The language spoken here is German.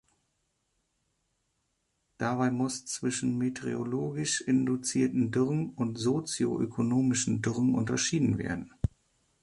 Dabei muss zwischen meteorologisch induzierten Dürren und sozio-ökonomischen Dürren unterschieden werden.